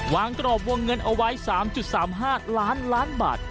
กรอบวงเงินเอาไว้๓๓๕ล้านล้านบาท